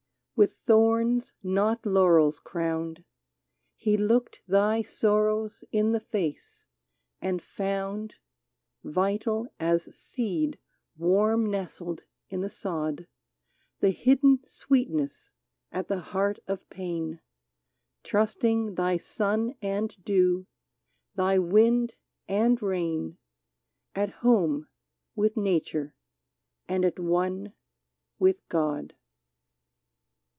With thorns, not laurels, crowned, He^ looked thy sorrows in the face, and found — 143 JEAN FRANCOIS MILLET Vital as seed warm nestled in the sod — The hidden sweetness at the heart of pain ; Trusting thy sun and dew, thy wind and rain, At home with nature, and at one with God